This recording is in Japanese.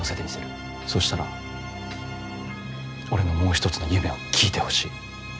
そうしたら俺のもう一つの夢を聞いてほしい。